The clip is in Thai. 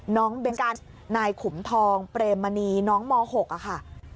น้องเบนกัสนายขุมทองเปรมมณีน้องม๖ค่ะ